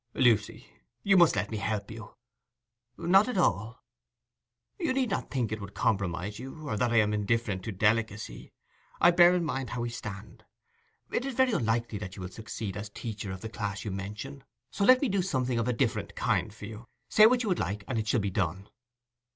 'Lucy, you must let me help you!' 'Not at all.' 'You need not think it would compromise you, or that I am indifferent to delicacy. I bear in mind how we stand. It is very unlikely that you will succeed as teacher of the class you mention, so let me do something of a different kind for you. Say what you would like, and it shall be done.